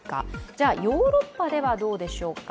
じゃあヨーロッパではどうでしょうか。